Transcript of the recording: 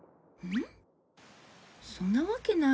ん？